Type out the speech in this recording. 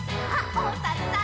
おさるさん。